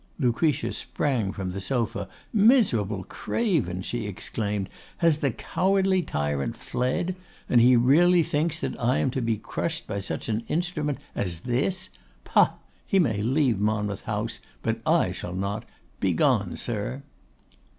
Lucretia sprang from the sofa. 'Miserable craven!' she exclaimed. 'Has the cowardly tyrant fled? And he really thinks that I am to be crushed by such an instrument as this! Pah! He may leave Monmouth House, but I shall not. Begone, sir!